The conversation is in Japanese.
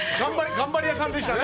頑張り屋さんでしたね。